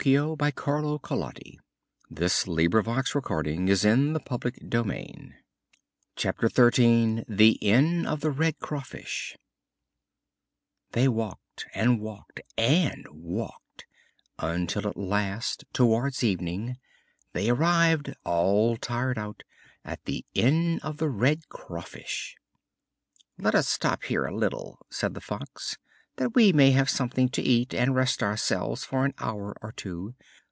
[Illustration: A LITTLE CHICKEN POPPED OUT, VERY GAY AND POLITE] CHAPTER XIII THE INN OF THE RED CRAW FISH They walked, and walked, and walked, until at last, towards evening, they arrived, all tired out, at the inn of The Red Craw Fish. "Let us stop here a little," said the Fox, "that we may have something to eat, and rest ourselves for an hour or two.